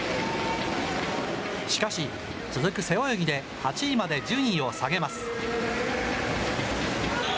しかし続く背泳ぎで８位まで順位を下げます。